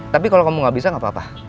tapi kalau kamu gak bisa gak apa apa